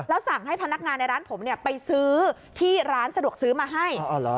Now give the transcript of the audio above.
แล้วสั่งให้พนักงานในร้านผมเนี้ยไปซื้อที่ร้านสะดวกซื้อมาให้อ๋อเหรอ